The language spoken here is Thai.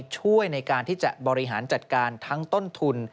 ช่วยในการที่จะบริหารจัดการทั้งต้นทุน